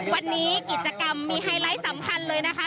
วันนี้กิจกรรมมีไฮไลท์สำคัญเลยนะคะ